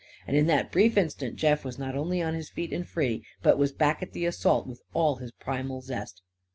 And in that brief instant Jeff was not only on his feet and free, but was back at the assault with all his primal zest.